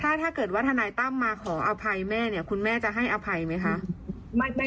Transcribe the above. ธนัยตั้มก็พูดประมาณว่ารู้ที่มาของจดหมายที่แม่เขียนว่าไม่ให้ธนัยตั้มยุ่งกับคดี